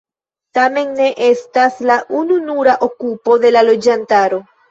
Tamen ne estas la ununura okupo de la loĝantaro.